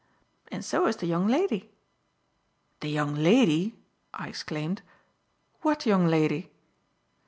And so has the young lady." "The young lady!" I exclaimed. "What young lady?"